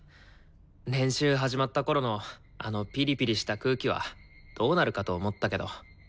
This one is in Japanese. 練習始まったころのあのピリピリした空気はどうなるかと思ったけど。